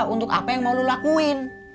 untuk apa yang mau lo lakuin